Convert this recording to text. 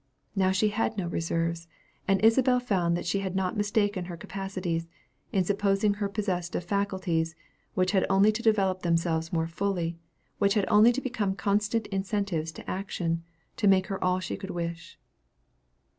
Now she had no reserves, and Isabel found that she had not mistaken her capacities, in supposing her possessed of faculties, which had only to develop themselves more fully, which had only to become constant incentives to action, to make her all she could wish.